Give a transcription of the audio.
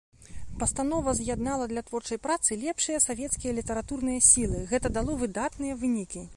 Пастанова з'яднала для творчай працы лепшыя савецкія літаратурныя сілы, гэта дало выдатныя вынікі.